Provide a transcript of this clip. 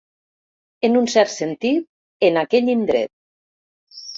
En un cert sentit, en aquell indret.